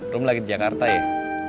belum lagi di jakarta ya